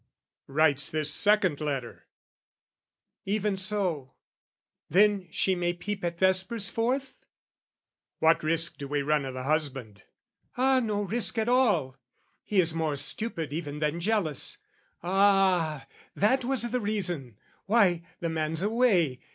"Writes this second letter?" "Even so! "Then she may peep at vespers forth?" "What risk "Do we run o' the husband?" "Ah, no risk at all! "He is more stupid even than jealous. Ah "That was the reason? Why, the man's away!